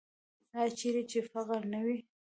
آیا چیرې چې فقر نه وي؟